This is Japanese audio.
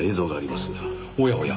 おやおや